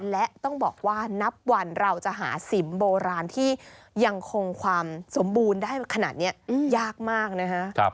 และต้องบอกว่านับวันเราจะหาสิมโบราณที่ยังคงความสมบูรณ์ได้ขนาดนี้ยากมากนะฮะ